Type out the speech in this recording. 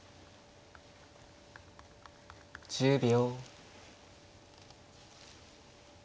１０秒。